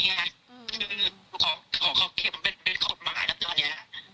ก็คือขอเข้าใจว่ามันเป็นกฎหมายละตอนนี้